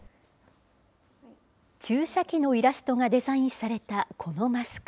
注射器のイラストがデザインされたこのマスク。